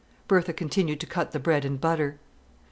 Bertha continued to cut the bread and butter.